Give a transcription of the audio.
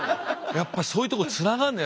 やっぱりそういうとこにつながるんだ。